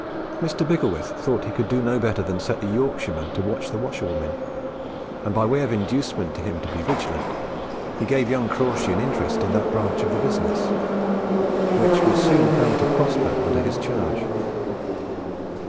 Mr. Bicklewith thought he could not do better than set the Yorkshireman to watch the washerwomen, and, by way of inducement to him to be vigilant, he gave young Crawshay an interest in that branch of the business, which was soon found to prosper under his charge.